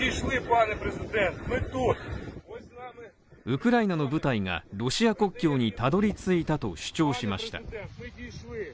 ウクライナの部隊がロシア国境にたどり着いたと主張しました。